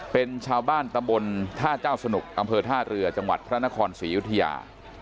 เป็นชาวบ้านตำบลท่าเจ้าสนุกอำเภอท่าเรือจังหวัดพระนครศรียุธยา